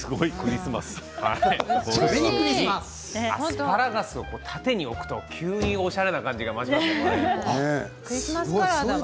アスパラガスを縦に置くと急におしゃれな感じがしますね。